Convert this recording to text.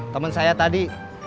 temen saya tadi